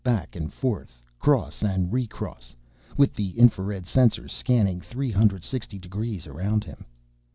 Back and forth, cross and re cross, with the infrared sensors scanning three hundred sixty degrees around him.